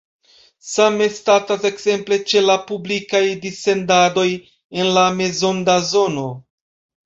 Same statas ekzemple ĉe la publikaj dissendadoj en la mezonda zono.